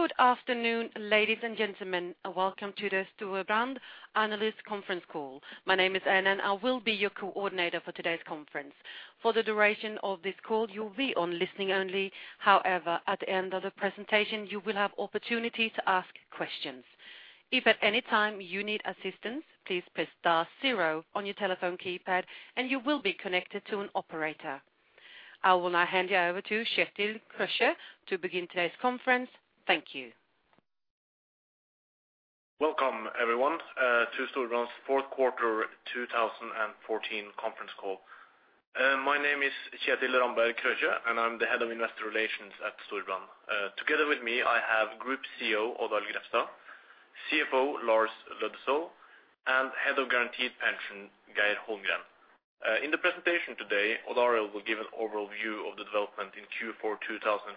Good afternoon, ladies and gentlemen, and welcome to the Storebrand Analyst Conference Call. My name is Anna, and I will be your coordinator for today's conference. For the duration of this call, you'll be on listening only. However, at the end of the presentation, you will have opportunity to ask questions. If at any time you need assistance, please press star zero on your telephone keypad, and you will be connected to an operator. I will now hand you over to Kjetil Krøkje to begin today's conference. Thank you. Welcome, everyone, to Storebrand's fourth quarter 2014 conference call. My name is Kjetil Ramberg Krøkje, and I'm the head of investor relations at Storebrand. Together with me, I have Group CEO Odd Arild Grefstad, CFO Lars Løddesøl, and Head of Guaranteed Pension Geir Holmgren. In the presentation today, Odd Arild will give an overview of the development in Q4 2014,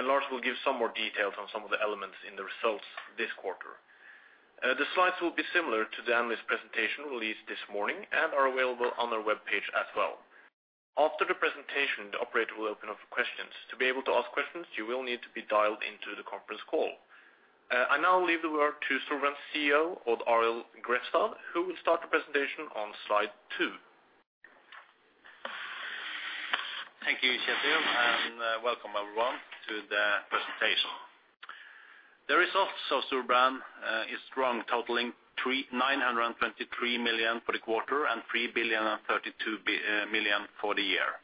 and Lars will give some more details on some of the elements in the results this quarter. The slides will be similar to the analyst presentation released this morning and are available on our webpage as well. After the presentation, the operator will open up for questions. To be able to ask questions, you will need to be dialed into the conference call. I now leave the word to Storebrand's CEO, Odd Arild Grefstad, who will start the presentation on slide two. Thank you, Kjetil, and welcome, everyone, to the presentation. The results of Storebrand is strong, totaling 923 million for the quarter and 3,032 million for the year.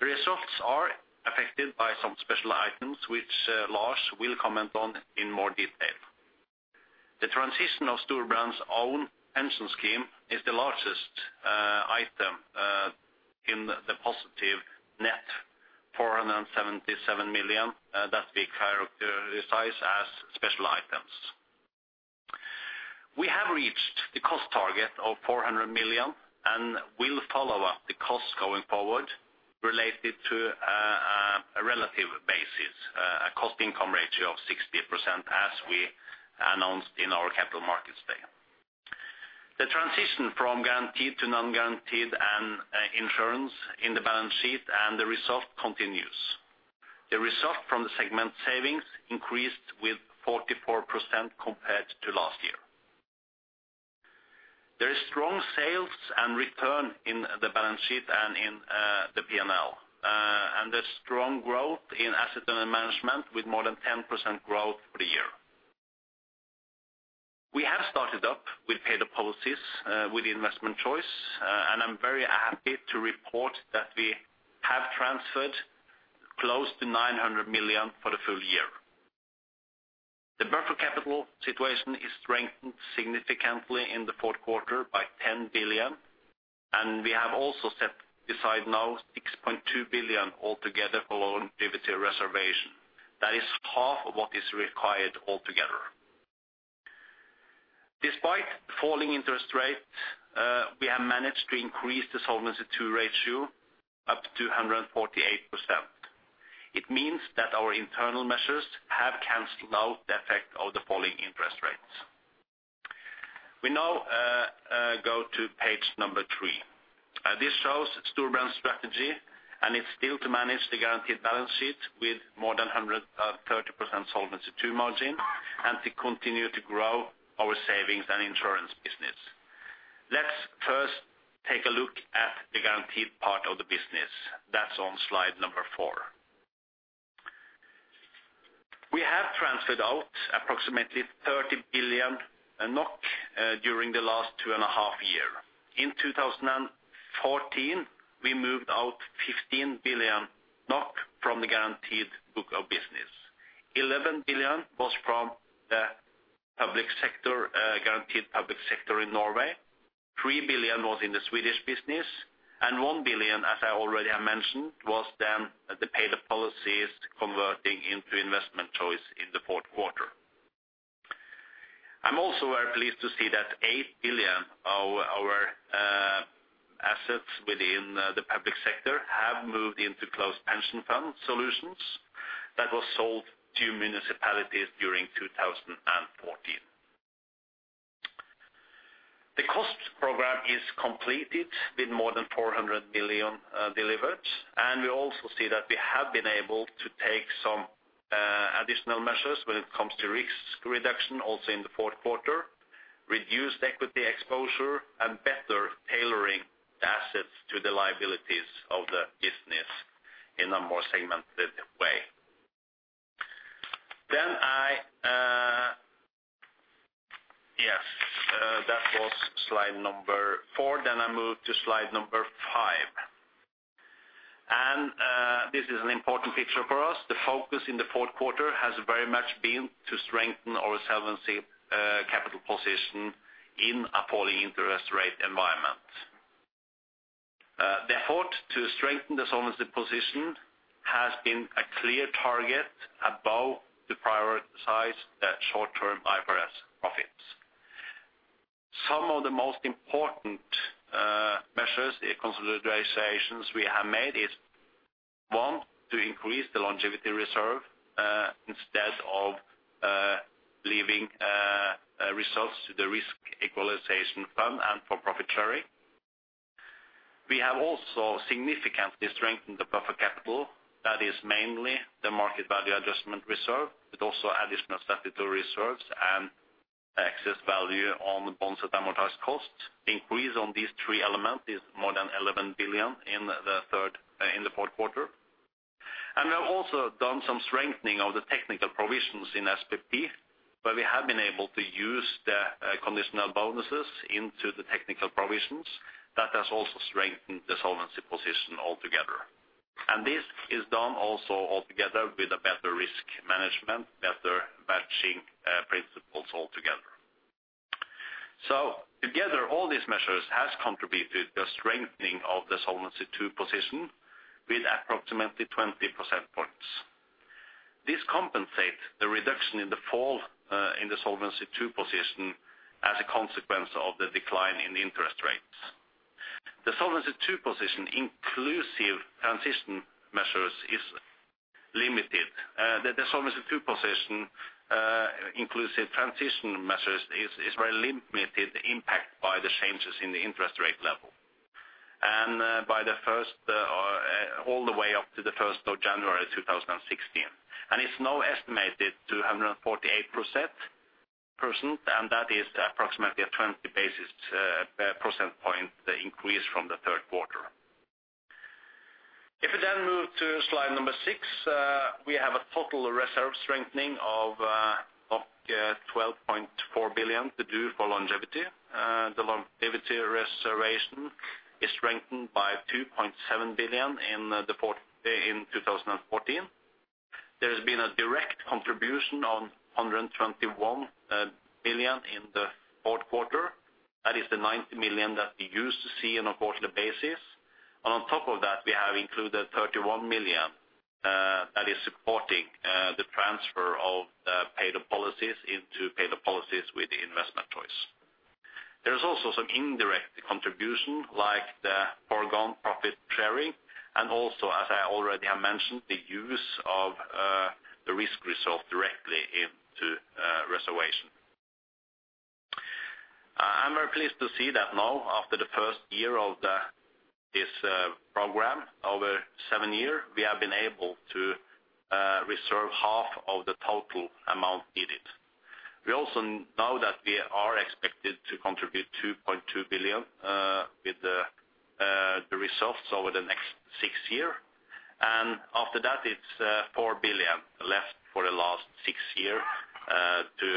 The results are affected by some special items, which Lars will comment on in more detail. The transition of Storebrand's own pension scheme is the largest item in the positive net, 477 million, that we characterize as special items. We have reached the cost target of 400 million and will follow up the costs going forward related to a relative basis, a cost-income ratio of 60%, as we announced in our Capital Markets Day. The transition from guaranteed to non-guaranteed and insurance in the balance sheet and the result continues. The result from the segment savings increased with 44% compared to last year. There is strong sales and return in the balance sheet and in, the P&L, and there's strong growth in asset under management with more than 10% growth for the year. We have started up with paid-up policies with the investment choice, and I'm very happy to report that we have transferred close to 900 million for the full year. The buffer capital situation is strengthened significantly in the fourth quarter by 10 billion, and we have also set aside now 6.2 billion altogether for longevity reserve. That is half of what is required altogether. Despite falling interest rates, we have managed to increase the Solvency II ratio up to 148%. It means that our internal measures have canceled out the effect of the falling interest rates. We now go to page three. This shows Storebrand's strategy, and it's still to manage the guaranteed balance sheet with more than 130% Solvency II margin, and to continue to grow our savings and insurance business. Let's first take a look at the guaranteed part of the business. That's on slide four. We have transferred out approximately 30 billion NOK during the last 2.5 year. In 2014, we moved out 15 billion NOK from the guaranteed book of business. 11 billion was from the public sector, guaranteed public sector in Norway, 3 billion was in the Swedish business, and 1 billion, as I already have mentioned, was then the paid-up policies converting into investment choice in the fourth quarter. I'm also very pleased to see that 8 billion of our assets within the public sector have moved into closed pension fund solutions that was sold to municipalities during 2014. The cost program is completed with more than 400 billion delivered, and we also see that we have been able to take some additional measures when it comes to risk reduction, also in the fourth quarter, reduced equity exposure and better tailoring the assets to the liabilities of the business in a more segmented way. Then I... Yes, that was slide number four. Then I move to slide number five. And, this is an important picture for us. The focus in the fourth quarter has very much been to strengthen our solvency, capital position in a falling interest rate environment. The effort to strengthen the solvency position has been a clear target above the prioritize, short-term IFRS profits. Some of the most important, measures, the consolidations we have made is, one, to increase the longevity reserve, instead of, leaving, results to the risk equalization fund and for profit sharing. We have also significantly strengthened the buffer capital. That is mainly the market value adjustment reserve, but also additional statutory reserves and excess value on the bonds at amortized cost. Increase on these three elements is more than 11 billion in the third, in the fourth quarter. And we have also done some strengthening of the technical provisions in SPP, where we have been able to use the, conditional bonuses into the technical provisions. That has also strengthened the solvency position altogether. And this is done also altogether with a better risk management, better matching, principles altogether. So together, all these measures has contributed to the strengthening of the Solvency II position with approximately 20 percentage points. This compensates the reduction in the fall, in the Solvency II position as a consequence of the decline in the interest rates. The Solvency II position, inclusive transition measures, is limited. The Solvency II position, inclusive transition measures, is very limited impact by the changes in the interest rate level, and by the first, all the way up to the first of January 2016, and it's now estimated to 148%, and that is approximately a 20 percentage point increase from the third quarter. If we then move to slide number six, we have a total reserve strengthening of up 12.4 billion to do for longevity. The longevity reservation is strengthened by 2.7 billion in the fourth, in 2014. There has been a direct contribution of 121 billion in the fourth quarter. That is the 90 million that we used to see on a quarterly basis. On top of that, we have included 31 million that is supporting the transfer of the paid-up policies into paid-up policies with the investment choice. There is also some indirect contribution, like the foregone profit sharing, and also, as I already have mentioned, the use of the risk result directly into reservation. I'm very pleased to see that now, after the first year of this program, over seven years, we have been able to reserve half of the total amount needed. We also know that we are expected to contribute 2.2 billion with the results over the next six years. And after that, it's 4 billion left for the last six years to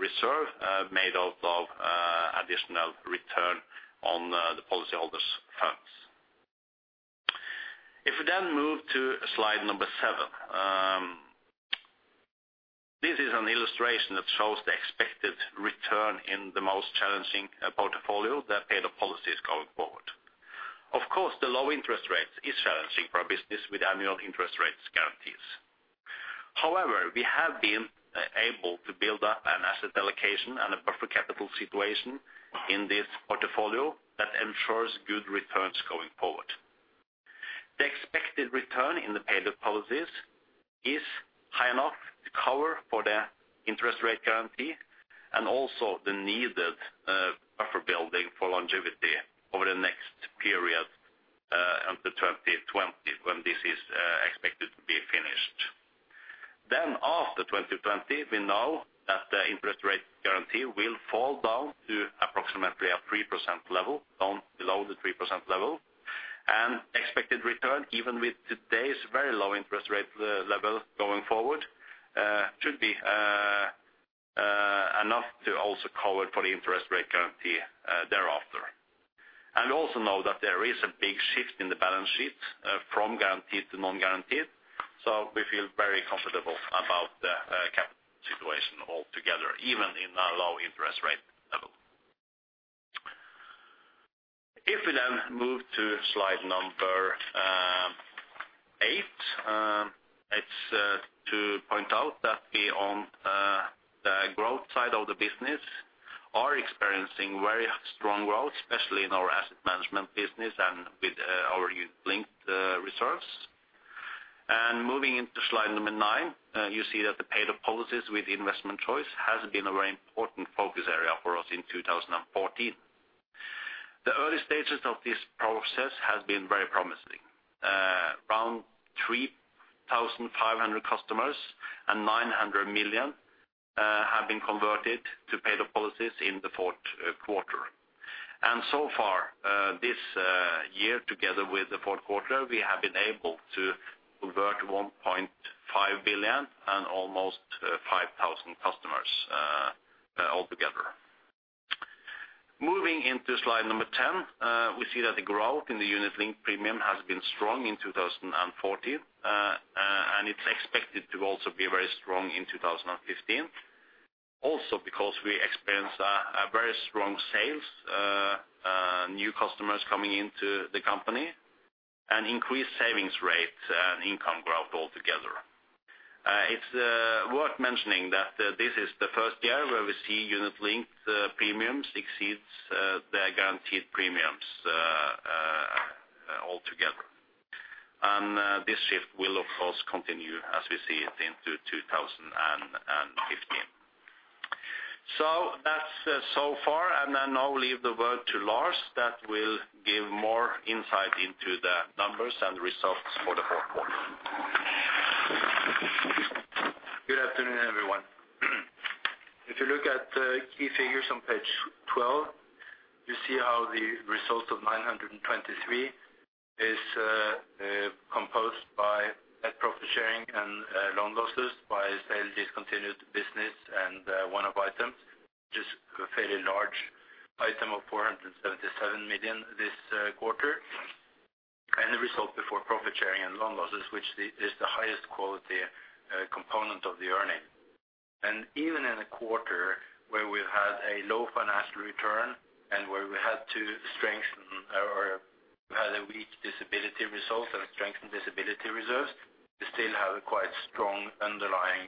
reserve made out of additional return on the policyholders' funds. If we then move to slide number seven, this is an illustration that shows the expected return in the most challenging portfolio, the paid-up policies going forward. Of course, the low interest rate is challenging for our business with annual interest rates guarantees. However, we have been able to build up an asset allocation and a buffer capital situation in this portfolio that ensures good returns going forward. The expected return in the paid-up policies is high enough to cover for the interest rate guarantee and also the needed, buffer building for longevity over the next period, until 2020, when this is, expected to be finished. Then after 2020, we know that the interest rate guarantee will fall down to approximately a 3% level, down below the 3% level. Expected return, even with today's very low interest rate level going forward, should be enough to also cover for the interest rate guarantee thereafter. And also know that there is a big shift in the balance sheet from guaranteed to non-guaranteed, so we feel very comfortable about the capital situation altogether, even in a low interest rate level. If we then move to slide number eight, it's to point out that we on the growth side of the business are experiencing very strong growth, especially in our asset management business and with our linked reserves. And moving into slide number nine, you see that the paid-up policies with investment choice has been a very important focus area for us in 2014. The early stages of this process has been very promising. Around 3,500 customers and 900 million have been converted to paid-up policies in the fourth quarter. And so far this year, together with the fourth quarter, we have been able to convert 1.5 billion and almost 5,000 customers altogether. Moving into slide number 10, we see that the growth in the unit linked premium has been strong in 2014, and it's expected to also be very strong in 2015. Also, because we experience a very strong sales, new customers coming into the company, and increased savings rate and income growth altogether. It's worth mentioning that this is the first year where we see unit linked premiums exceeds the guaranteed premiums altogether. This shift will of course continue as we see it into 2015. So that's so far, and I now leave the word to Lars, that will give more insight into the numbers and results for the fourth quarter. Good afternoon, everyone. If you look at the key figures on page 12, you see how the result of 923 million is composed by net profit sharing and loan losses by sale, discontinued business, and one-off items, which is a fairly large item of 477 million this quarter. The result before profit sharing and loan losses, which is the highest quality component of the earnings. Even in a quarter where we've had a low financial return and where we had to strengthen or had a weak disability result and strengthen disability reserves, we still have a quite strong underlying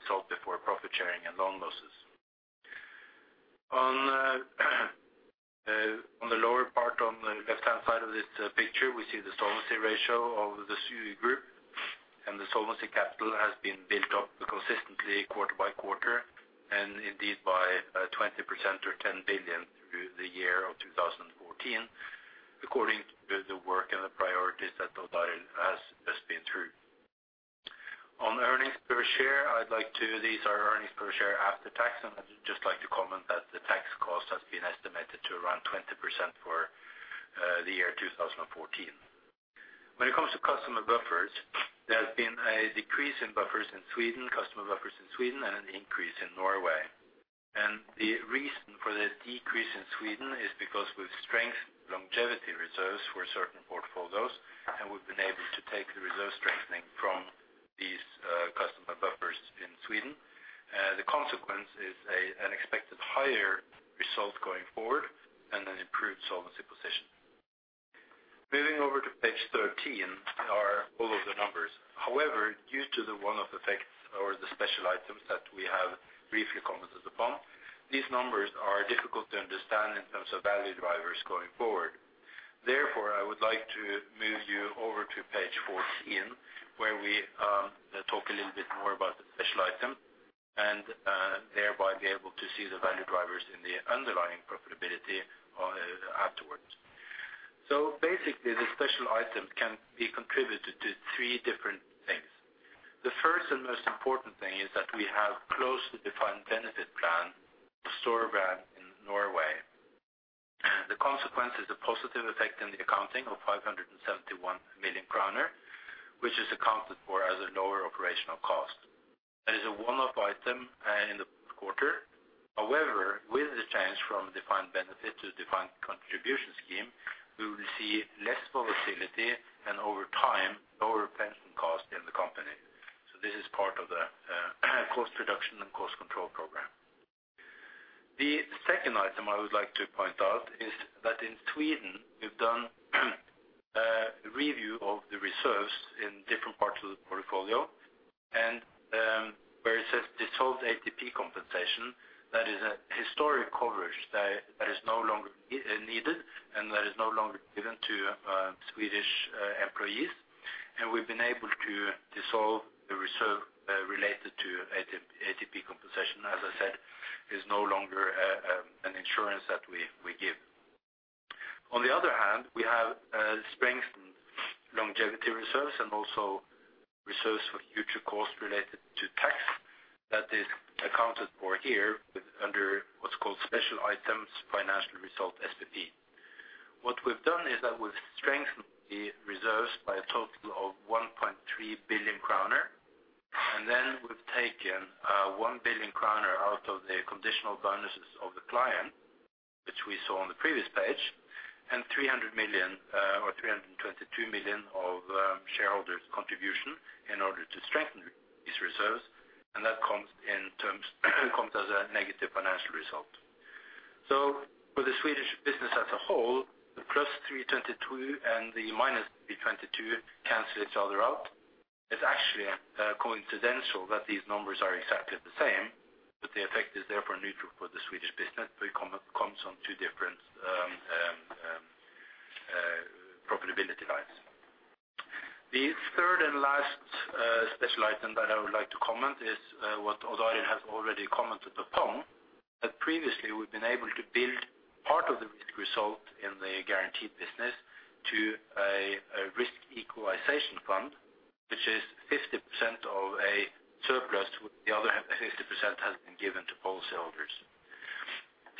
result before profit sharing and loan losses. On the lower part, on the left-hand side of this picture, we see the solvency ratio of the SEB group, and the solvency capital has been built up consistently quarter-by-quarter, and indeed, by 20% or 10 billion through the year 2014, according to the work and the priorities that Odd Arild has just been through. On earnings per share, I'd like to. These are earnings per share after tax, and I'd just like to comment that the tax cost has been estimated to around 20% for the year 2014. When it comes to customer buffers, there has been a decrease in buffers in Sweden, customer buffers in Sweden, and an increase in Norway. The reason for the decrease in Sweden is because we've strengthened longevity reserves for certain portfolios, and we've been able to take the reserve strengthening from these customer buffers in Sweden. The consequence is an expected higher result going forward and an improved solvency position. Moving over to page 13 are all of the numbers. However, due to the one-off effects or the special items that we have briefly commented upon, these numbers are difficult to understand in terms of value drivers going forward. Therefore, I would like to move you over to page 14, where we talk a little bit more about the special item and thereby be able to see the value drivers in the underlying profitability afterwards. Basically, the special item can be contributed to three different things. The first and most important thing is that we have closed the defined benefit plan, Storebrand in Norway. The consequence is a positive effect in the accounting of 571 million kroner, which is accounted for as a lower operational cost. That is a one-off item in the quarter. However, with the change from defined benefit to defined contribution scheme, we will see less volatility and over time, lower pension cost in the company. So this is part of the cost reduction and cost control program. The second item I would like to point out is that in Sweden, we've done a review of the reserves in different parts of the portfolio, and where it says, "Dissolved ATP compensation," that is a historic coverage that is no longer needed, and that is no longer given to Swedish employees. And we've been able to dissolve the reserve related to ATP compensation. As I said, is no longer an insurance that we give. On the other hand, we have strengthened longevity reserves and also reserves for future costs related to tax. That is accounted for here, with under what's called special items, financial result, SPP. What we've done is that we've strengthened the reserves by a total of 1.3 billion kroner, and then we've taken 1 billion kroner out of the conditional bonuses of the client, which we saw on the previous page, and 300 million or 322 million of shareholders contribution in order to strengthen these reserves, and that comes as a negative financial result. So for the Swedish business as a whole, the +322 and the -322 cancel each other out. It's actually coincidental that these numbers are exactly the same, but the effect is therefore neutral for the Swedish business, but it comes on two different profitability lines. The third and last special item that I would like to comment is what Odd Arild has already commented upon, that previously we've been able to build part of the risk result in the guaranteed business to a risk equalization fund, which is 50% of a surplus. The other 50% has been given to policyholders.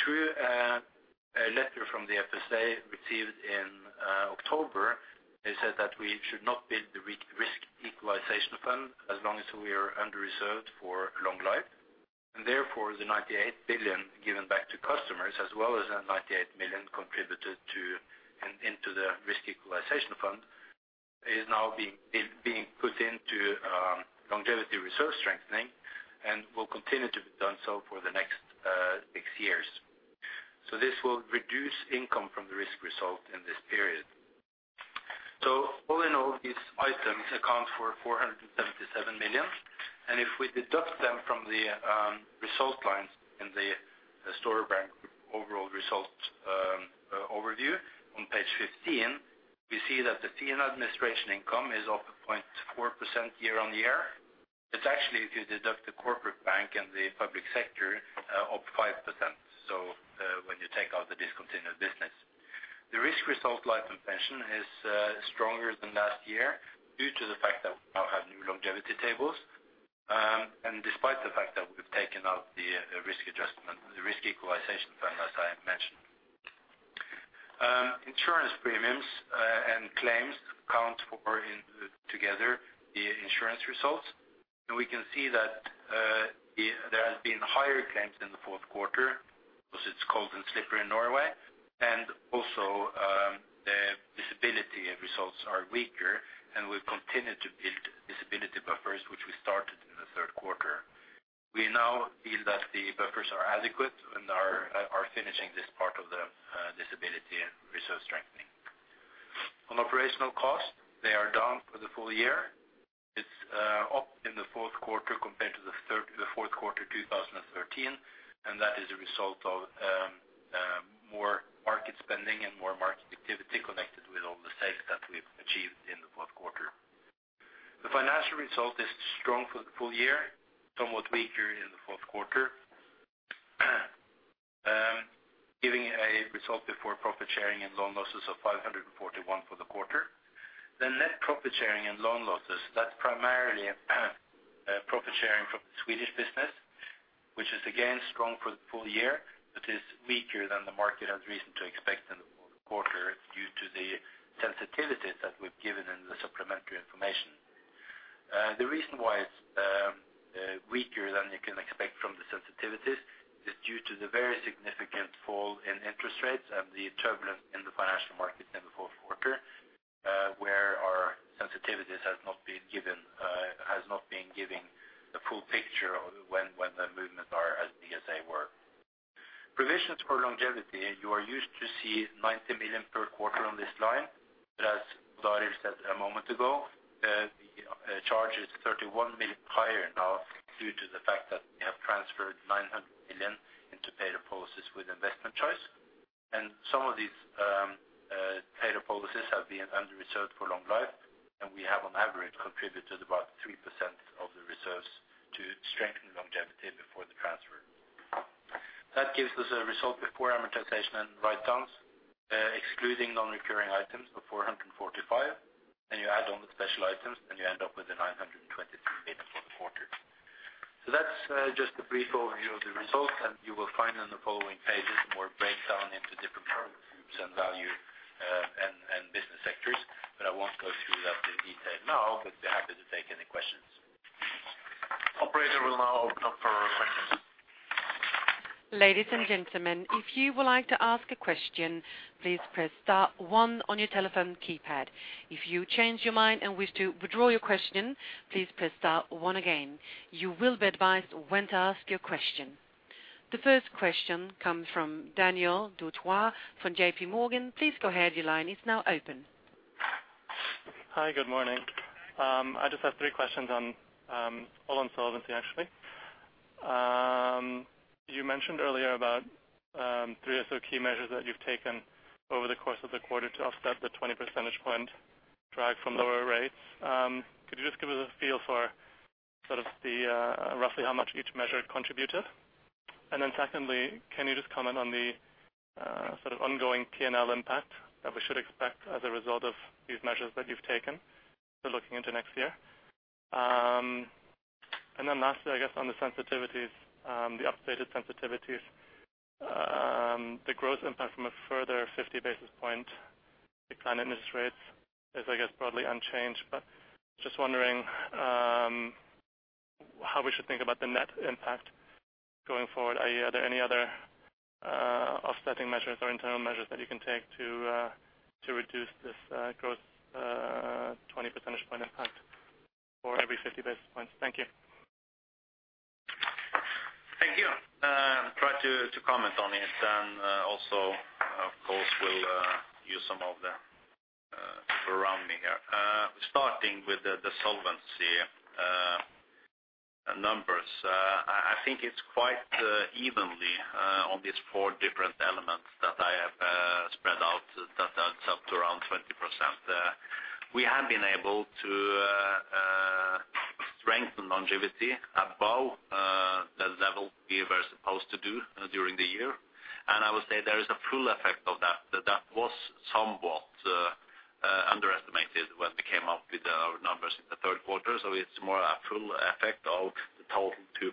Through a letter from the FSA, received in October, they said that we should not build the risk equalization fund as long as we are under-reserved for long life. Therefore, the 98 billion given back to customers, as well as the 98 million contributed to and into the risk equalization fund, is now being put into longevity reserve strengthening and will continue to be done so for the next six years. So this will reduce income from the risk result in this period. So all in all, these items account for 477 million, and if we deduct them from the result lines in the Storebrand overall result overview. On page 15, we see that the fee and administration income is up 0.4% year-on-year. It's actually, if you deduct the corporate bank and the public sector, up 5%, so when you take out the discontinued business. The risk result life and pension is stronger than last year due to the fact that we now have new longevity tables, and despite the fact that we've taken out the risk adjustment, the risk equalization fund, as I mentioned. Insurance premiums and claims account for in together the insurance results, and we can see that there has been higher claims in the fourth quarter because it's cold and slippery in Norway. And also, the disability results are weaker, and we've continued to build disability buffers, which we started in the third quarter. We now feel that the buffers are adequate and are finishing this part of the disability and reserve strengthening. On operational costs, they are down for the full year. It's up in the fourth quarter compared to the third, the fourth quarter, 2013, and that is a result of more market spending and more market activity connected with all the sales that we've achieved in the fourth quarter. The financial result is strong for the full year, somewhat weaker in the fourth quarter. Giving a result before profit sharing and loan losses of 541 for the quarter. The net profit sharing and loan losses, that's primarily profit sharing from the Swedish business, which is again strong for the full year, but is weaker than the market had reason to expect in the quarter due to the sensitivities that we've given in the supplementary information. The reason why it's weaker than you can expect from the sensitivities is due to the very significant fall in interest rates and the turbulence in the financial market in the fourth quarter, where our sensitivities has not been given, has not been giving the full picture of when, when the movements are as they were. Provisions for longevity, you are used to see 90 million per quarter on this line, but as Lars said a moment ago, the charge is 31 million higher now due to the fact that we have transferred 900 million into paid-up policies with investment choice. And some of these paid-up policies have been under-reserved for longevity, and we have on average contributed about 3% of the reserves to strengthen longevity before the transfer. That gives us a result before amortization and write-downs, excluding non-recurring items of 445, and you add on the special items, and you end up with the 922 for the quarter. So that's just a brief overview of the results, and you will find on the following pages more breakdown into different product groups and value, and business sectors. But I won't go through that in detail now, but be happy to take any questions. Operator will now open up for questions. Ladies and gentlemen, if you would like to ask a question, please press star one on your telephone keypad. If you change your mind and wish to withdraw your question, please press star one again. You will be advised when to ask your question. The first question comes from Daniel Dutoit from JPMorgan. Please go ahead. Your line is now open. Hi, good morning. I just have three questions on, all on solvency, actually. You mentioned earlier about, three or so key measures that you've taken over the course of the quarter to offset the 20 percentage point drag from lower rates. Could you just give us a feel for sort of the, roughly how much each measure contributed? And then secondly, can you just comment on the, sort of ongoing P&L impact that we should expect as a result of these measures that you've taken, so looking into next year? And then lastly, I guess on the sensitivities, the updated sensitivities, the growth impact from a further 50 basis point decline in interest rates is, I guess, broadly unchanged. But just wondering, how we should think about the net impact going forward. Are there any other, offsetting measures or internal measures that you can take to, to reduce this, growth, 20 percentage point impact for every 50 basis points? Thank you. Thank you. Try to comment on it, and also, of course, we'll use some of the surrounding here. Starting with the solvency numbers. I think it's quite evenly on these four different elements that I have spread out that adds up to around 20%. We have been able to strengthen longevity above the level we were supposed to do during the year. And I would say there is a full effect of that. That was somewhat underestimated when we came up with our numbers in the third quarter. So it's more a full effect of the total 2.7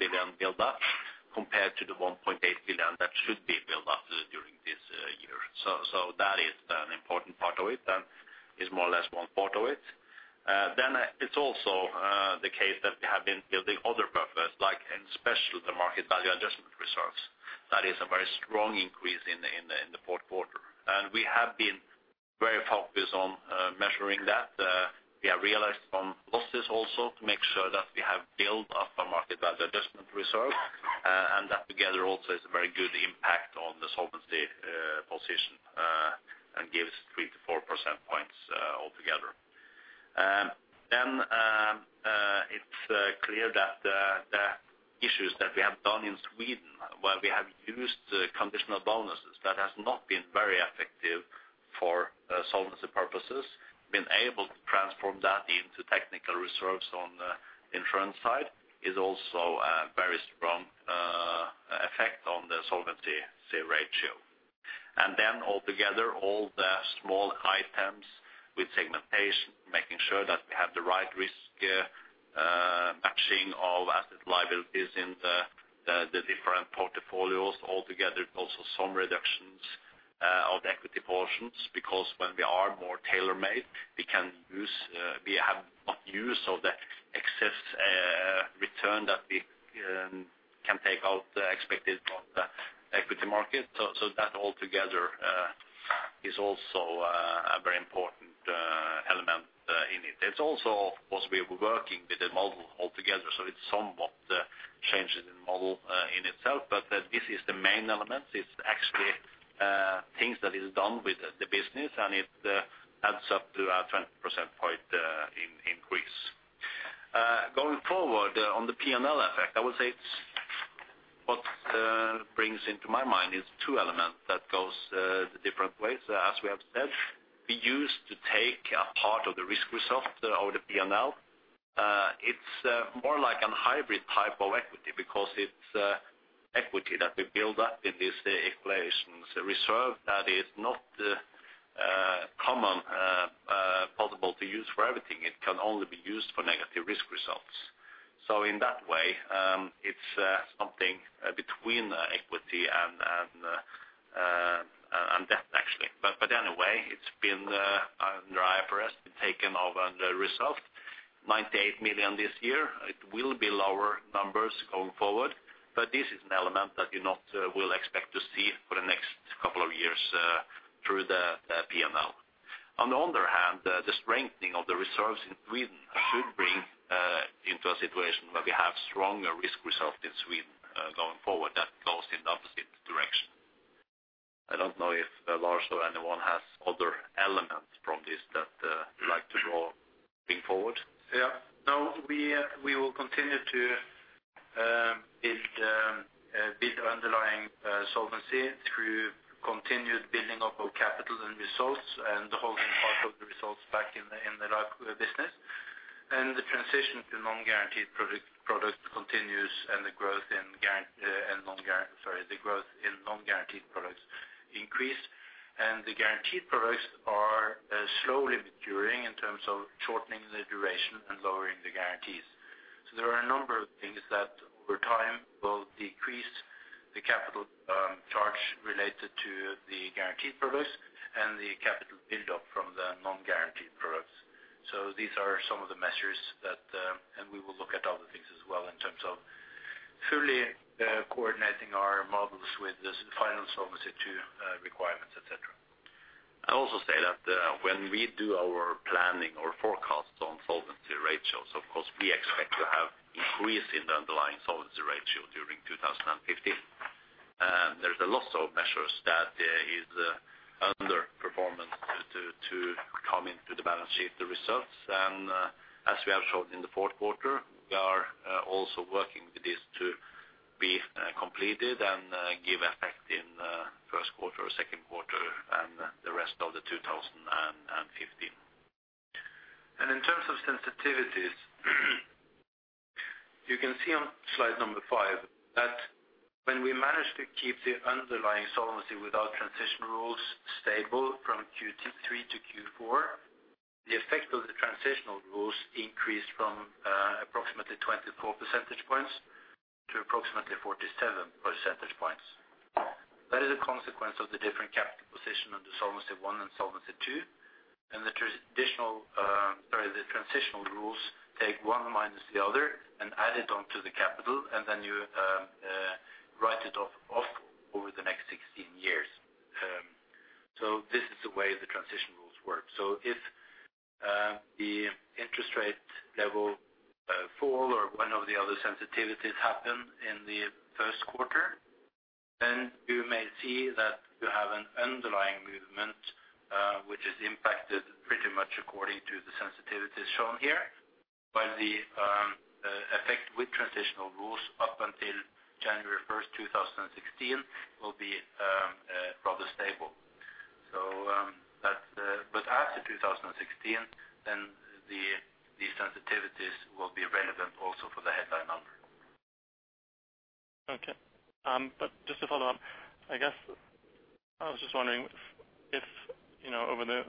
billion build up compared to the 1.8 billion that should be built up during this year. That is an important part of it, and is more or less one part of it. Then it's also the case that we have been building other buffers, like in special the market value adjustment reserves. That is a very strong increase in the fourth quarter. We have been very focused on measuring that. We have realized on losses also to make sure that we have built up a market value adjustment reserve, and that together also is a very good impact on the solvency position, and gives three to four percentage points altogether. Then, it's clear that what we have done in Sweden, where we have used the conditional bonuses, that has not been very effective for solvency purposes. Been able to transform that into technical reserves on the insurance side is also a very strong effect on the solvency ratio. And then altogether, all the small items with segmentation, making sure that we have the right risk matching of asset liabilities in the different portfolios altogether, also some reductions of the equity portions, because when we are more tailor-made, we can use we have not used, so the excess return that we can take out expected from the equity market. So that altogether is also a very important element in it. It's also, of course, we're working with the model altogether, so it's somewhat changes in the model in itself. But this is the main element. It's actually things that is done with the business, and it adds up to a 20 percentage point increase. Going forward, on the P&L effect, I would say it's what brings to my mind is two elements that goes the different ways. As we have said, we used to take a part of the risk result out of P&L. It's more like a hybrid type of equity because it's equity that we build up in this risk equalization reserve that is not commonly possible to use for everything. It can only be used for negative risk results. So in that way, it's something between equity and debt, actually. But anyway, it's been under IFRS been taken into the result, 98 million this year. It will be lower numbers going forward, but this is an element that you not will expect to see for the next couple of years, through the, the P&L. On the other hand, the strengthening of the reserves in Sweden should bring into a situation where we have stronger risk result in Sweden, going forward, that goes in the opposite direction. I don't know if, Lars, or anyone has other elements from this that, you'd like to draw going forward? Yeah. No, we will continue to build underlying solvency through continued building up of capital and results, and holding part of the results back in the life business. The transition to non-guaranteed product continues, and the growth in non-guaranteed products increase. Sorry, the guaranteed products are slowly maturing in terms of shortening the duration and lowering the guarantees. So there are a number of things that, over time, will decrease the capital charge related to the guaranteed products and the capital build-up from the non-guaranteed products. So these are some of the measures that... We will look at other things as well, in terms of fully coordinating our models with this final Solvency II requirements, et cetera. I'd also say that when we do our planning or forecasts on solvency ratios, of course, we expect to have increase in the underlying solvency ratio during 2015. And there's a lot of measures that is under performance to come into the balance sheet, the results. And as we have shown in the fourth quarter, we are also working with this to be completed and give effect in first quarter or second quarter, and the rest of 2015. In terms of sensitivities, you can see on slide number five that when we managed to keep the underlying solvency without transition rules stable from Q3 to Q4, the effect of the transitional rules increased from approximately 24 percentage points to approximately 47 percentage points. That is a consequence of the different capital position under Solvency I and Solvency II. The transitional rules take one minus the other and add it onto the capital, and then you write it off over the next 16 years. This is the way the transition rules work. If the interest rate level falls or one of the other sensitivities happens in the first quarter, then you may see that you have an underlying movement, which is impacted pretty much according to the sensitivities shown here. But the effect with transitional rules up until January 1st, 2016, will be rather stable. So, that's the-- But after 2016, then these sensitivities will be relevant also for the headline number. Okay, but just to follow up, I guess I was just wondering if, you know, over the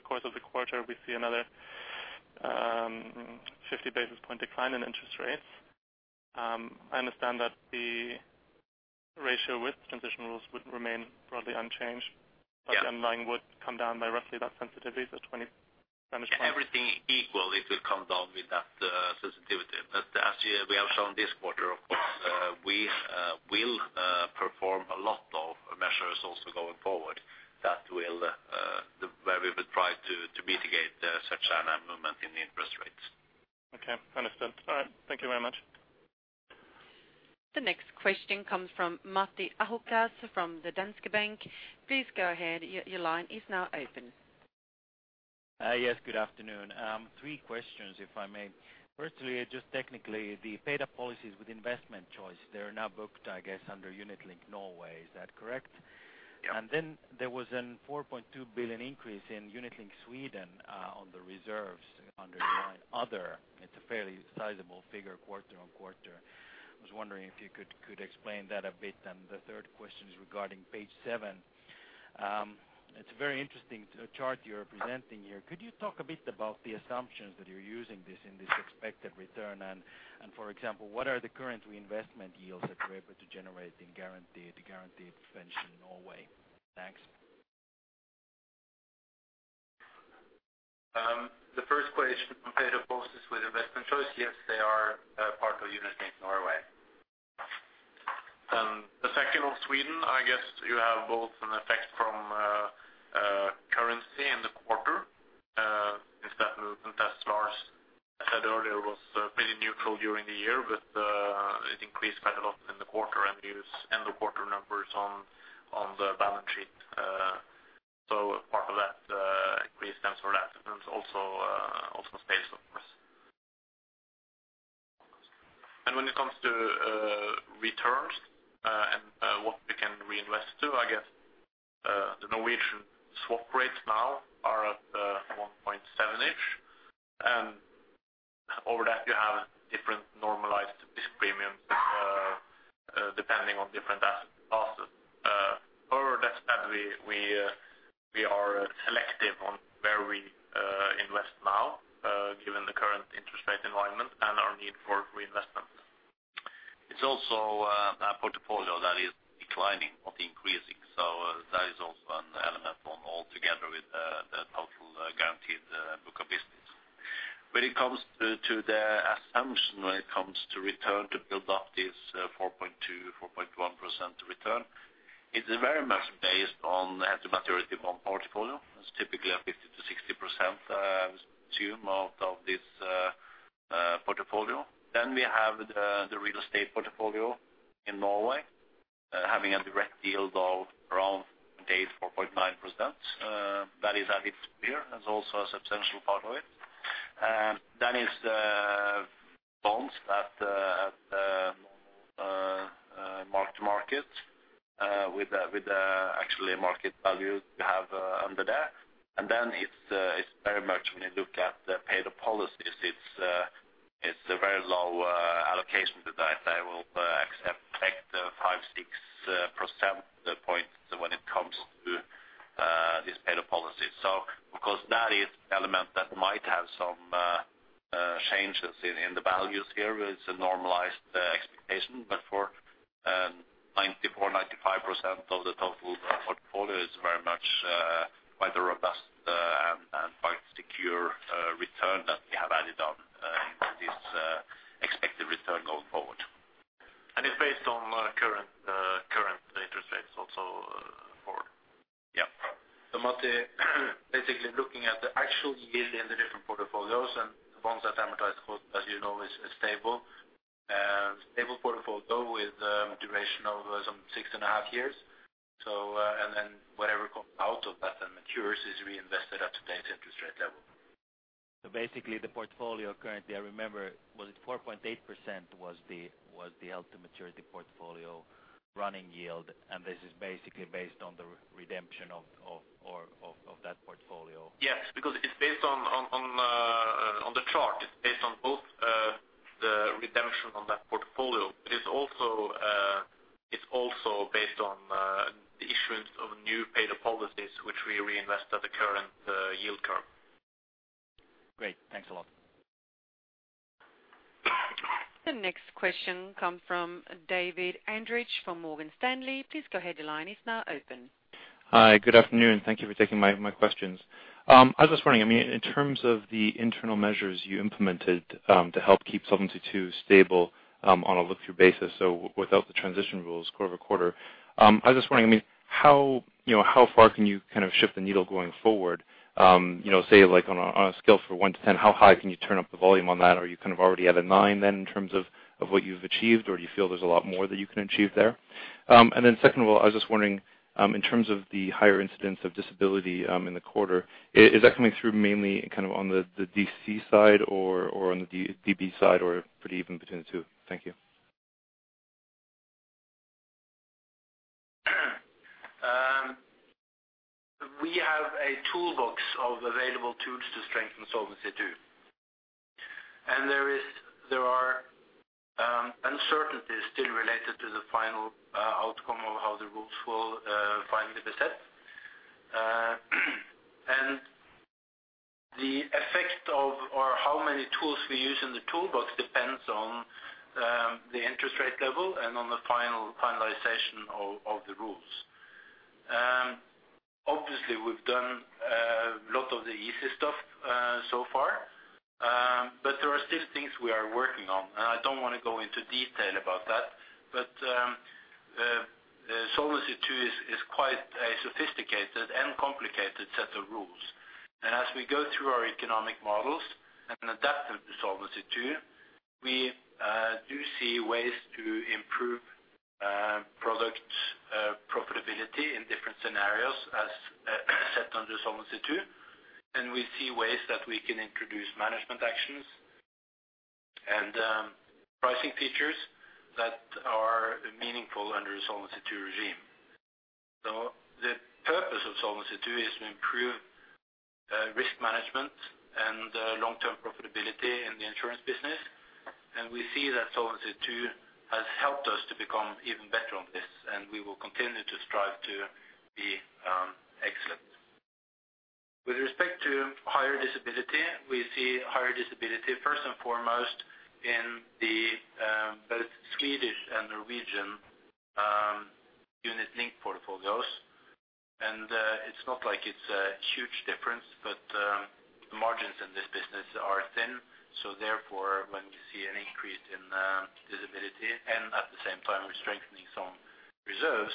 course of the quarter, we see another 50 basis point decline in interest rates. I understand that the ratio with transition rules would remain broadly unchanged- Yeah. - but the underlying would come down by roughly that sensitivity, so 20 percentage points. Everything equal, it will come down with that sensitivity. But as we have shown this quarter, of course, we will perform a lot of measures also going forward that will where we will try to mitigate such a movement in the interest rates. Okay, understood. All right, thank you very much. The next question comes from Matti Ahokas from Danske Bank. Please go ahead, your line is now open. ...Hi, yes, good afternoon. Three questions, if I may. Firstly, just technically, the paid-up policies with investment choice, they are now booked, I guess, under Unit Linked Norway. Is that correct? Yeah. Then there was a 4.2 billion increase in Unit Linked Sweden on the reserves under the other. It's a fairly sizable figure, quarter-on-quarter. I was wondering if you could explain that a bit. The third question is regarding page seven. It's a very interesting chart you're presenting here. Could you talk a bit about the assumptions that you're using in this expected return? For example, what are the current reinvestment yields that you're able to generate in guaranteed pension in Norway? Thanks. The first question, paid-up policies with investment choice. Yes, they are part of Unit Linked Norway. The second on Sweden, I guess you have both an effect from currency in the quarter instead of investors. I said earlier, it was pretty neutral during the year, but it increased quite a lot in the quarter, and we use end of quarter numbers on the balance sheet. So part of that increase stands for that, and also SPP, of course. And when it comes to returns and what we can reinvest to, I guess the Norwegian swap rates now are at 1.7-ish, and over that, you have different normalized risk premiums depending on different asset classes. That said, we are selective on where we invest now, given the current interest rate environment and our need for reinvestment. It's also a portfolio that is declining, not increasing, so that is also an element on all together with the total guaranteed book of business. When it comes to the assumption, when it comes to return to build up this 4.2, 4.1% return, it's very much based on the maturity of our portfolio. It's typically a 50%-60% assume out of this portfolio. Then we have the real estate portfolio in Norway having a direct yield of around 8.49%. That is added here, as also a substantial part of it. And that is the bonds that mark to market with the actually market values we have under there. Then it's very much when you look at the paid-up policies, it's a very low allocation to that. I will accept like the five to six percentage points when it comes to this paid-up policy. So of course, that is an element that might have some changes in the values here. It's a normalized expectation, but for 94%-95% of the total portfolio, it's very much quite a robust and quite secure return that we have added on this expected return going forward. It's based on current interest rates also for. Yeah. So basically, looking at the actual yield in the different portfolios, and the ones that amortize, as you know, is stable. Stable portfolio with a duration of some 6.5 years. So, and then whatever comes out of that and matures is reinvested at today's interest rate level. So basically, the portfolio currently, I remember, was it 4.8%, was the maturity portfolio running yield, and this is basically based on the redemption of that portfolio? Yes, because it's based on the chart. It's based on both the redemption on that portfolio. It is also it's also based on the issuance of new paid up policies, which we reinvest at the current yield curve. Great. Thanks a lot. The next question comes from David Andrich from Morgan Stanley. Please go ahead. Your line is now open. Hi. Good afternoon. Thank you for taking my questions. I was just wondering, I mean, in terms of the internal measures you implemented to help keep Solvency II stable on a look-through basis, so without the transition rules quarter-over-quarter. I was just wondering, I mean, how, you know, how far can you kind of shift the needle going forward? You know, say, like on a scale from one to 10, how high can you turn up the volume on that? Are you kind of already at a nine then, in terms of what you've achieved, or do you feel there's a lot more that you can achieve there? And then secondly, I was just wondering, in terms of the higher incidence of disability, in the quarter, is that coming through mainly kind of on the DC side or on the DB side, or pretty even between the two? Thank you. We have a toolbox of available tools to strengthen Solvency II. And there are uncertainties still related to the final outcome of how the rules will finally be set. And the effect of, or how many tools we use in the toolbox depends on the interest rate level and on the final finalization of the rules. And obviously, we've done a lot of the easy stuff so far. But there are still things we are working on, and I don't want to go into detail about that. But Solvency II is quite a sophisticated and complicated set of rules. And as we go through our economic models and adapt them to Solvency II, we do see ways to improve product-... in different scenarios as set under Solvency II, and we see ways that we can introduce management actions and pricing features that are meaningful under the Solvency II regime. So the purpose of Solvency II is to improve risk management and long-term profitability in the insurance business. And we see that Solvency II has helped us to become even better on this, and we will continue to strive to be excellent. With respect to higher disability, we see higher disability, first and foremost, in the both Swedish and Norwegian unit link portfolios. And it's not like it's a huge difference, but the margins in this business are thin, so therefore, when we see an increase in disability, and at the same time we're strengthening some reserves,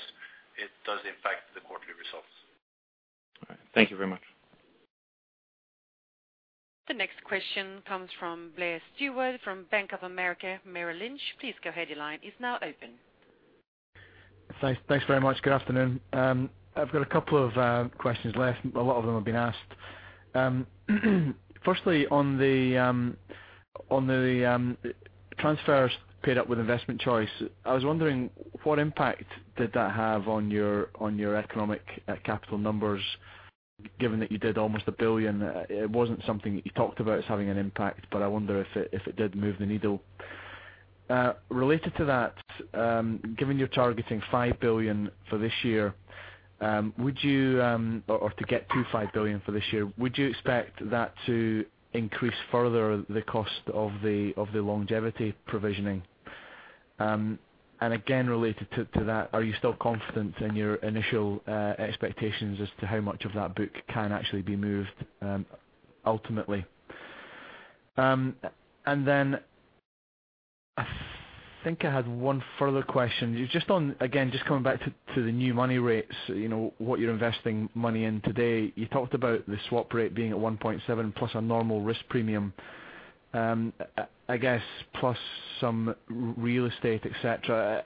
it does impact the quarterly results. All right. Thank you very much. The next question comes from Blair Stewart, from Bank of America, Merrill Lynch. Please go ahead, your line is now open. Thanks, thanks very much. Good afternoon. I've got a couple of questions left. A lot of them have been asked. Firstly, on the transfers paid-up with investment choice. I was wondering, what impact did that have on your economic capital numbers, given that you did almost 1 billion? It wasn't something that you talked about as having an impact, but I wonder if it did move the needle. Related to that, given you're targeting 5 billion for this year, would you... Or, to get to 5 billion for this year, would you expect that to increase further the cost of the longevity provisioning? And again, related to that, are you still confident in your initial expectations as to how much of that book can actually be moved ultimately? And then, I think I had one further question. Just on, again, just coming back to the new money rates, you know, what you're investing money in today. You talked about the swap rate being at 1.7, plus a normal risk premium. I guess, plus some real estate, et cetera.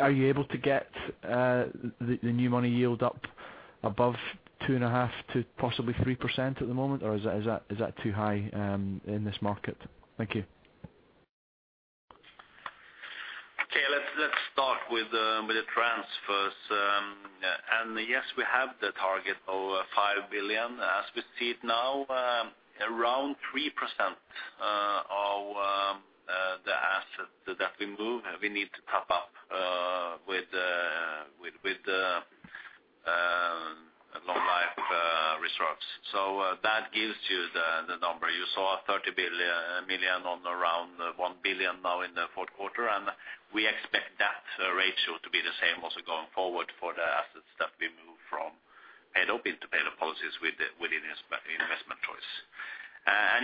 Are you able to get the new money yield up above 2.5% to possibly 3% at the moment, or is that too high in this market? Thank you. Okay. Let's start with the transfers. Yes, we have the target of 5 billion. As we see it now, around 3% of the assets that we move, we need to top up with the long life reserves. That gives you the number. You saw 30 million on around 1 billion now in the fourth quarter, and we expect that ratio to be the same also going forward for the assets that we move from paid-up into paid-up policies with investment choice.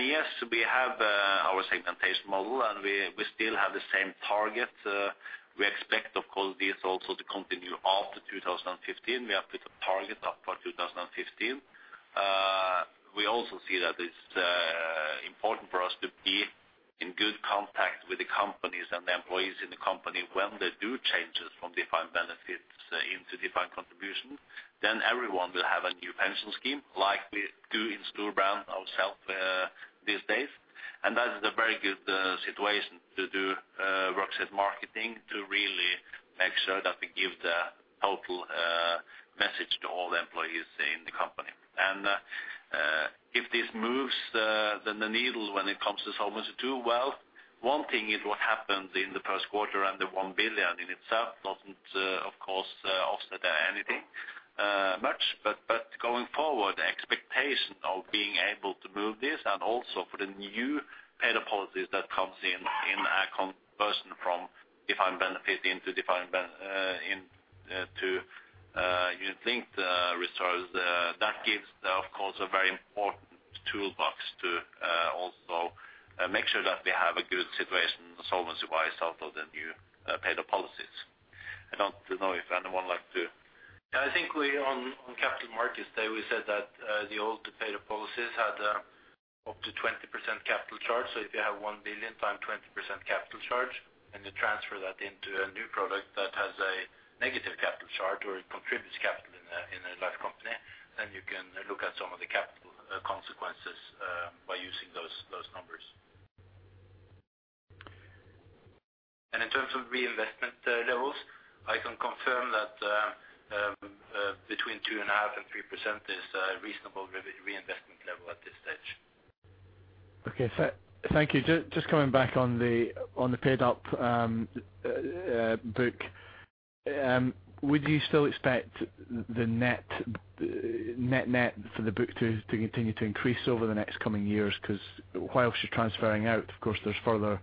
Yes, we have our segmentation model, and we still have the same target. We expect, of course, this also to continue after 2015. We have put a target up for 2015. We also see that it's important for us to be in good contact with the companies and the employees in the company, when they do changes from defined benefits into defined contribution. Then everyone will have a new pension scheme, like we do in Storebrand ourself these days. And that is a very good situation to do workshop marketing, to really make sure that we give the total message to all the employees in the company. And if this moves the needle when it comes to Solvency II, well, one thing is what happens in the first quarter, and the 1 billion in itself doesn't, of course, much. But going forward, the expectation of being able to move this and also for the new paid-up policies that comes in, in a conversion from defined benefit into unit-linked reserves. That gives, of course, a very important toolbox to also make sure that we have a good situation solvency-wise out of the new paid-up policies. I don't know if anyone like to. I think we on, on Capital Markets Day, we said that the old paid-up policies had up to 20% capital charge. If you have 1 billion times 20% capital charge, and you transfer that into a new product that has a negative capital charge or it contributes capital in a life company, then you can look at some of the capital consequences by using those numbers. In terms of reinvestment levels, I can confirm that between 2.5% and 3% is a reasonable reinvestment level at this stage. Okay. Thank you. Just coming back on the paid-up book. Would you still expect the net net/net for the book to continue to increase over the next coming years? Because while you're transferring out, of course, there's further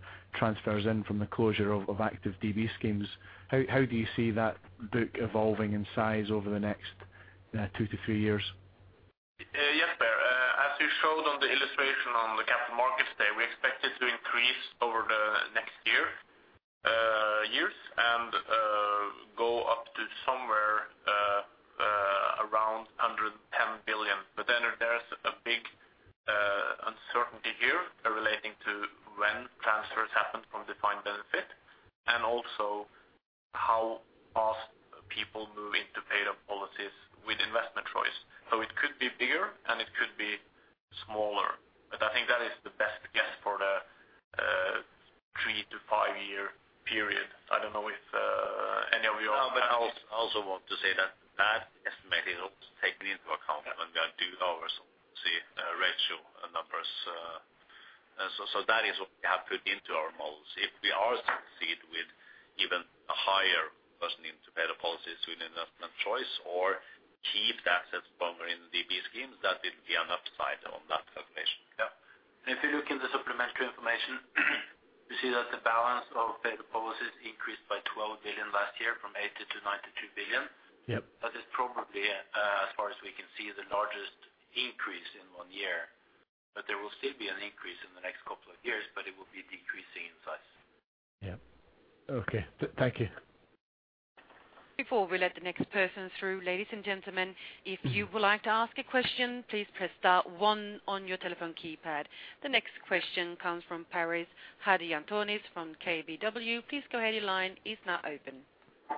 will still be an increase in the next couple of years, but it will be decreasing in size. Yeah. Okay, thank you. Before we let the next person through, ladies and gentlemen, if you would like to ask a question, please press star one on your telephone keypad. The next question comes from Hari Antones from KBW. Please go ahead. Your line is now open.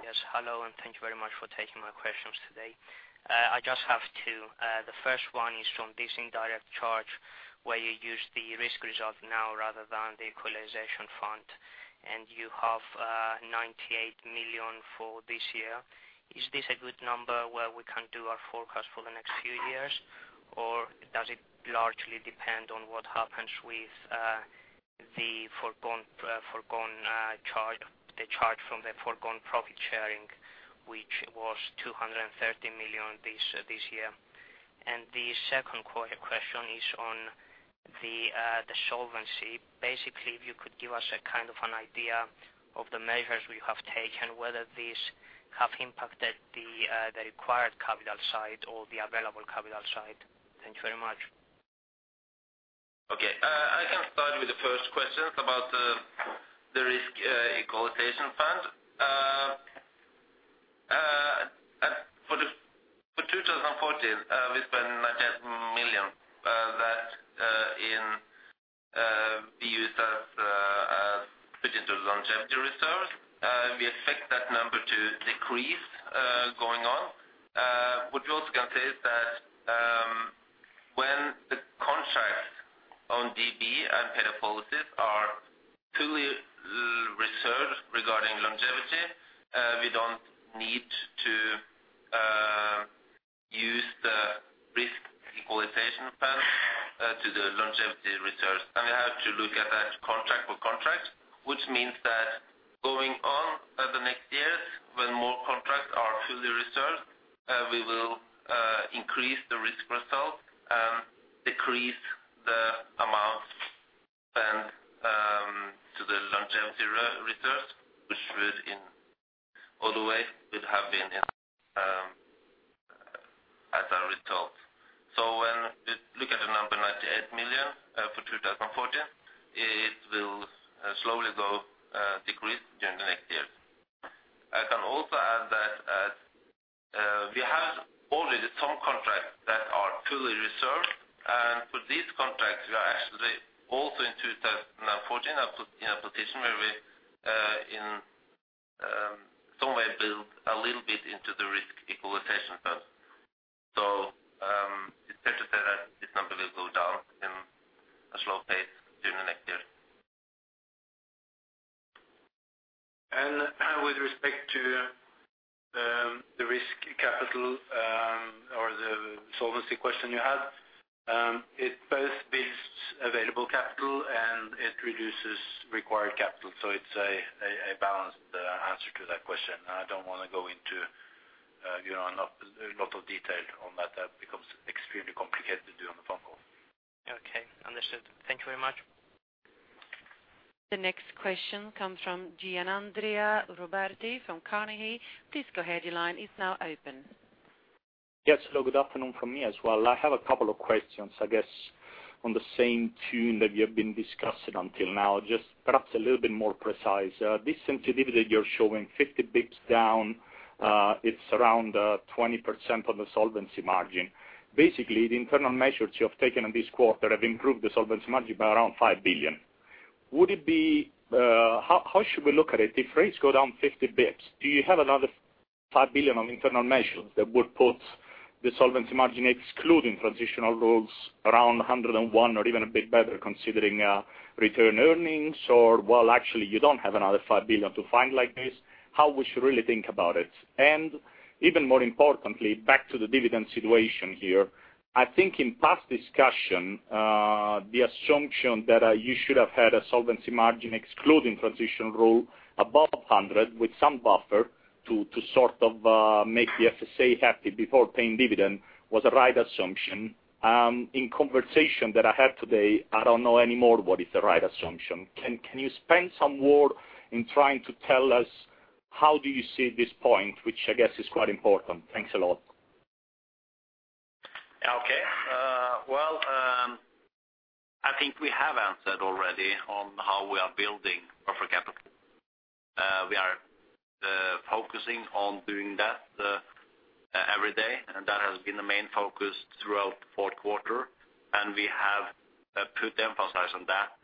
Yes, hello, and thank you very much for taking my questions today. I just have two. The first one is from this indirect charge, where you use the risk result now rather than the equalization fund, and you have 98 million for this year. Is this a good number where we can do our forecast for the next few years, or does it largely depend on what happens with the foregone charge, the charge from the foregone profit sharing, which was 230 million this year? And the second question is on the solvency. Basically, if you could give us a kind of an idea of the measures you have taken, whether these have impacted the required capital side or the available capital side. Thank you very much. Okay, I can start with the first question about the risk equalization fund. For 2014, we spent 90 million that is used as put into the longevity reserve. We expect that number to decrease going on. What we also can say is that, when the contracts on DB and paid-up policies are fully reserved regarding longevity, we don't need to use the risk equalization plan to the longevity reserves. We have to look at that contract by contract, which means that going on, the next years, when more contracts are fully reserved, we will increase the risk result and decrease the amount spent to the longevity reserve, which would in other way, would have been in as a result. So when we look at the number 98 million for 2014, it will slowly go decrease during the next years. I can also add that we have already some contracts that are fully reserved, and for these contracts, we are actually also in 2014, in a position where we in somewhere build a little bit into the risk equalization fund. So, it's fair to say that this number will go down in a slow pace during the next year. With respect to the risk capital or the solvency question you had, it both builds available capital and it reduces required capital. So it's a balanced answer to that question. I don't want to go into, you know, a lot, a lot of detail on that. That becomes extremely complicated to do on a phone call. Okay, understood. Thank you very much. The next question comes from Gianandrea Roberti, from Carnegie. Please go ahead, your line is now open. Yes, hello, good afternoon from me as well. I have a couple of questions, I guess, on the same tune that we have been discussing until now, just perhaps a little bit more precise. This sensitivity that you're showing, 50 basis points down, it's around 20% on the solvency margin. Basically, the internal measures you have taken in this quarter have improved the solvency margin by around 5 billion. Would it be—how, how should we look at it? If rates go down 50 basis points, do you have another 5 billion on internal measures that would put the solvency margin, excluding transitional rules, around 101, or even a bit better, considering return earnings? Or well, actually, you don't have another 5 billion to find like this. How we should really think about it? Even more importantly, back to the dividend situation here, I think in past discussion, the assumption that you should have had a solvency margin, excluding transition rule above 100, with some buffer to sort of make the FSA happy before paying dividend, was a right assumption. In conversation that I had today, I don't know anymore what is the right assumption. Can you spend some words in trying to tell us how do you see this point, which I guess is quite important? Thanks a lot. Okay. Well, I think we have answered already on how we are building our capital. We are focusing on doing that.... has been the main focus throughout the fourth quarter, and we have put emphasis on that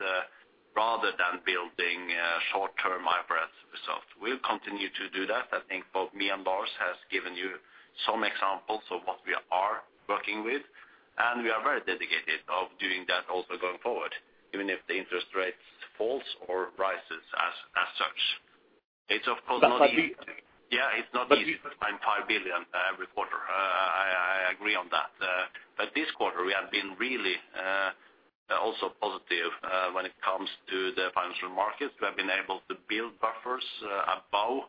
rather than building short-term IFRS results. We'll continue to do that. I think both me and Lars has given you some examples of what we are working with, and we are very dedicated of doing that also going forward, even if the interest rates falls or rises as such. It's of course not easy. Yeah, it's not easy to find 5 billion every quarter. I agree on that. But this quarter, we have been really also positive when it comes to the financial markets. We have been able to build buffers above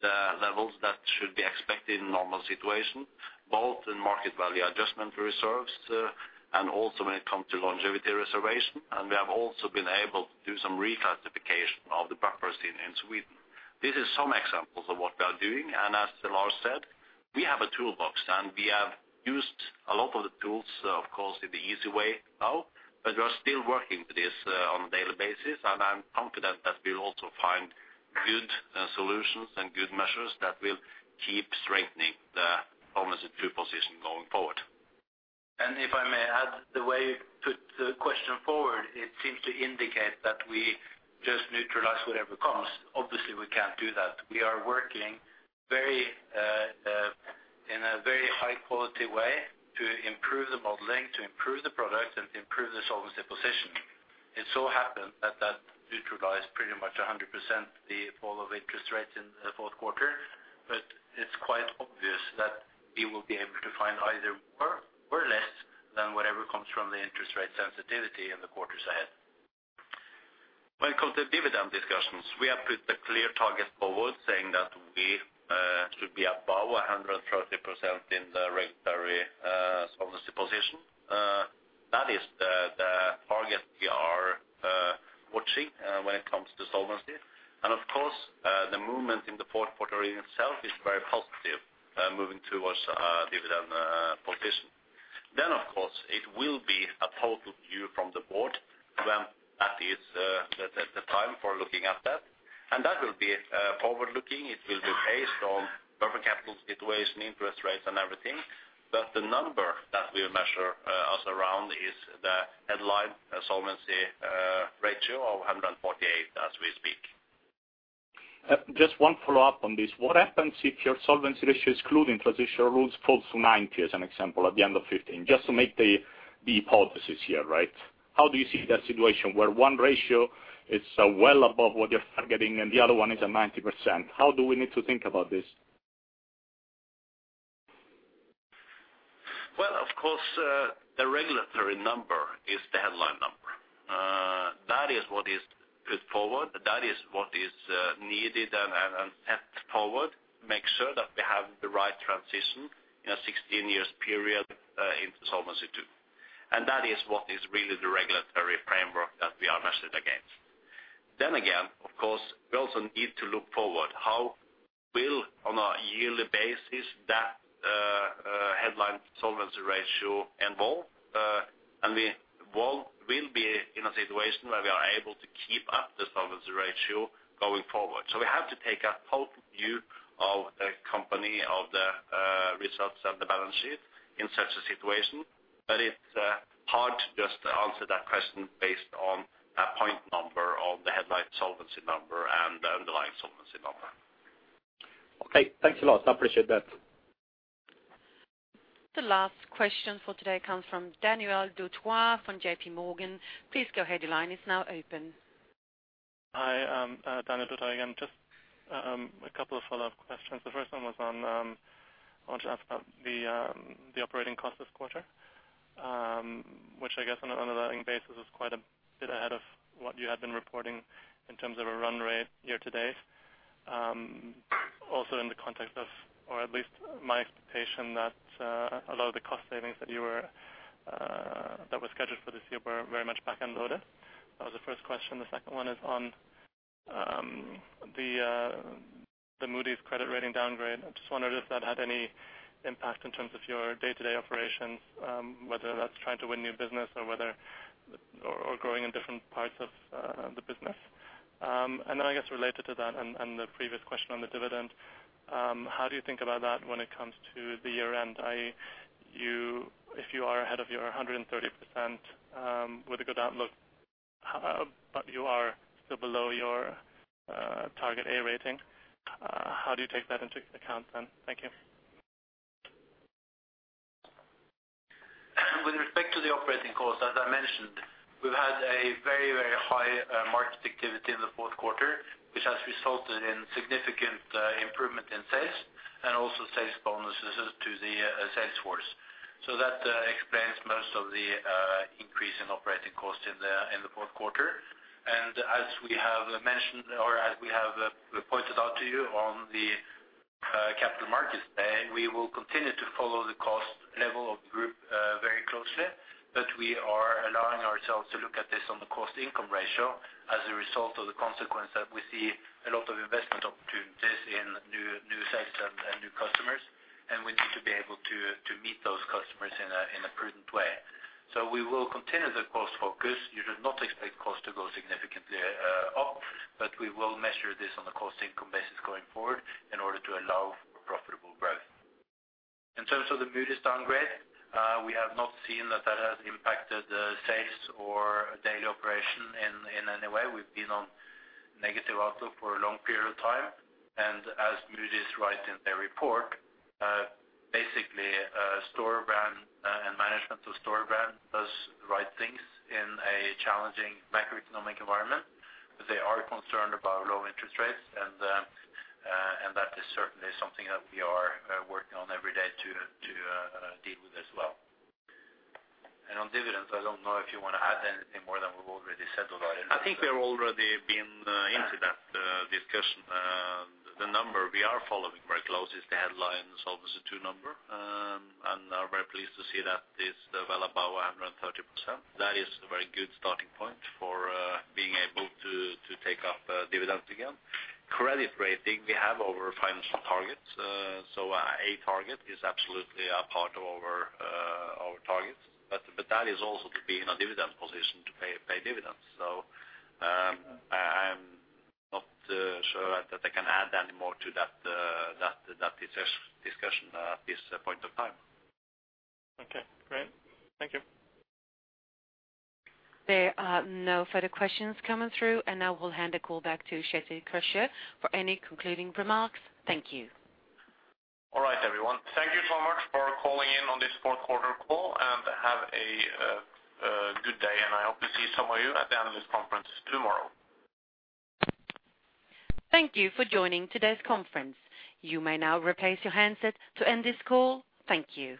the levels that should be expected in a normal situation, both in market value adjustment reserves and also when it comes to longevity reservation. We have also been able to do some reclassification of the buffers in Sweden. This is some examples of what we are doing, and as Lars said, we have a toolbox, and we have used a lot of the tools, of course, in the easy way now, but we are still working with this on a daily basis, and I'm confident that we'll also find good solutions and good measures that will keep strengthening the Solvency II position going forward. If I may add, the way you put the question forward, it seems to indicate that we just neutralize whatever comes. Obviously, we can't do that. We are working very in a very high quality way to improve the modeling, to improve the product, and to improve the solvency position. It so happened that that neutralized pretty much 100% the fall of interest rates in the fourth quarter, but it's quite obvious that we will be able to find either more or less than whatever comes from the interest rate sensitivity in the quarters ahead. When it comes to dividend discussions, we have put a clear target forward, saying that we should be above 100% in the regulatory solvency position. That is the target we are watching when it comes to solvency. And of course, the movement in the fourth quarter in itself is very positive, moving towards a dividend position. Then, of course, it will be a total view from the board when that is the time for looking at that. And that will be forward-looking. It will be based on buffer capital situation, interest rates, and everything. But the number that we measure us around is the headline solvency ratio of 148% as we speak. Just one follow-up on this. What happens if your solvency ratio, excluding transitional rules, falls to 90, as an example, at the end of 2015? Just to make the hypothesis here, right? How do you see that situation where one ratio is well above what you're targeting and the other one is at 90%? How do we need to think about this? Well, of course, the regulatory number is the headline number. That is what is put forward, that is what is needed and set forward. Make sure that we have the right transition in a 16-year period into Solvency II. And that is what is really the regulatory framework that we are measured against. Then again, of course, we also need to look forward, how will, on a yearly basis, that headline solvency ratio evolve? And we will be in a situation where we are able to keep up the solvency ratio going forward. So we have to take a total view of the company, of the results and the balance sheet in such a situation. But it's hard to just answer that question based on a point number of the headline solvency number and the underlying solvency number. Okay, thanks a lot. I appreciate that. The last question for today comes from Daniel Dutoit from JPMorgan. Please go ahead. Your line is now open. Hi, Daniel Dutoit again. Just a couple of follow-up questions. The first one was on. I want to ask about the, the operating cost this quarter, which I guess on an underlying basis is quite a bit ahead of what you had been reporting in terms of a run rate year-to-date. Also in the context of, or at least my expectation, that, a lot of the cost savings that you were, that were scheduled for this year were very much back-end loaded. That was the first question. The second one is on, the, the Moody's credit rating downgrade. I just wondered if that had any impact in terms of your day-to-day operations, whether that's trying to win new business or whether, or, or growing in different parts of, the business. And then I guess related to that and, and the previous question on the dividend, how do you think about that when it comes to the year-end? I, you-- if you are ahead of your 130%, with a good outlook, but you are still below your, target A rating, how do you take that into account then? Thank you. With respect to the operating costs, as I mentioned, we've had a very, very high market activity in the fourth quarter, which has resulted in significant improvement in sales and also sales bonuses to the sales force. So that explains most of the increase in operating costs in the fourth quarter. As we have mentioned, or as we have pointed out to you on the Capital Markets Day, we will continue to follow the cost level of the group very closely, but we are allowing ourselves to look at this on the cost-income ratio as a result of the consequence that we see a lot of investment opportunities in new, new sales and, and new customers, and we need to be able to, to meet those customers in a, in a prudent way. So we will continue the cost focus. You should not expect cost to go significantly up, but we will measure this on a cost-income basis going forward in order to allow profitable growth. In terms of the Moody's downgrade, we have not seen that that has impacted sales or daily operation in any way. We've been on negative outlook for a long period of time, and as Moody's writes in their report, basically, Storebrand and management to Storebrand does the right things in a challenging macroeconomic environment. But they are concerned about low interest rates, and that is certainly something that we are working on every day to deal with as well. And on dividends, I don't know if you want to add anything more than we've already said about it. I think we've already been into that discussion. The number we are following very close is the headline Solvency II number, and are very pleased to see that it's well above 130%. That is a very good starting point for being able to take up dividends again. Credit rating, we have our financial targets, so a target is absolutely a part of our targets, but that is also to be in a dividend position to pay dividends. So, I'm not sure that I can add any more to that discussion at this point of time. Okay, great. Thank you. There are no further questions coming through, and now we'll hand the call back to Kjetil Krøkje for any concluding remarks. Thank you. All right, everyone. Thank you so much for calling in on this fourth quarter call, and have a good day, and I hope to see some of you at the analyst conference tomorrow. Thank you for joining today's conference. You may now replace your handset to end this call. Thank you.